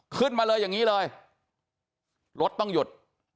ขึ้นมาเลยอย่างนี้เลยรถต้องหยุด